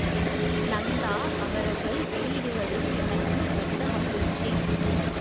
நந்தா அவர்கள் வெளியிடுவதில் எனக்கு மெத்த மகிழ்ச்சி.